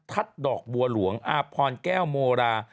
ดอกบัวหลวงอาพรแก้วโมรา